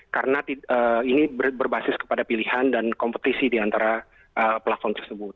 karena ini berbasis kepada pilihan dan kompetisi di antara platform tersebut